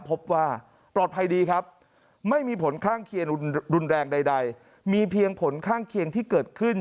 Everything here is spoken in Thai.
พบว่าปลอดภัยดีครับไม่มีผลข้างเคียงรุนแรงใดมีเพียงผลข้างเคียงที่เกิดขึ้น